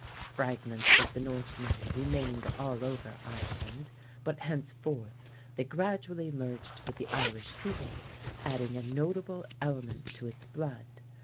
Fragments of the Northmen remained all over Ireland, but henceforth they gradually merged with the Irish people, adding a notable element to it's blood.